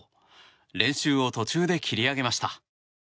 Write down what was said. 練習を途中で切り上げました。